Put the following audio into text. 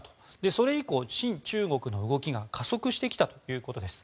それ以降、親中国の動きが加速してきたということです。